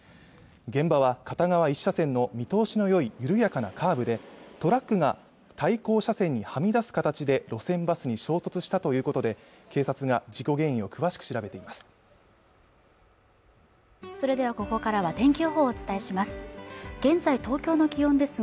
現場は片側１車線の見通しのよい緩やかなカーブでトラックが対向車線にはみ出す形で路線バスに衝突したということで警察が事故原因を詳しく調べています